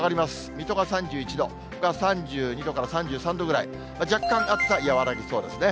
水戸が３１度、ほか３２度から３３度ぐらい、若干暑さ、和らぎそうですね。